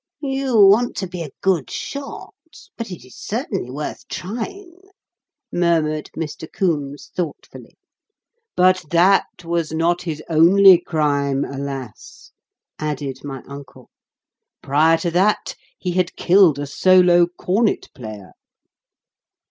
"You want to be a good shot, but it is certainly worth trying," murmured Mr. Coombes thoughtfully. "But that was not his only crime, alas!" added my uncle. "Prior to that he had killed a solo cornet player."